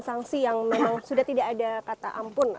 sanksi yang memang sudah tidak ada kata ampun